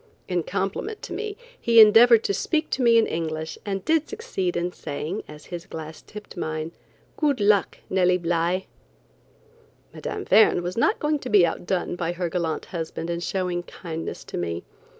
In compliment to me, he endeavored to speak to me in English, and did succeed in saying, as his glass tipped mine: "Good luck, Nellie Bly." Mme. Verne was not going to be outdone by her gallant husband in showing kindness to me.